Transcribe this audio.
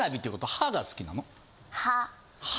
歯。